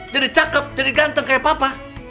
jadi cakep jadi ganteng kayak papa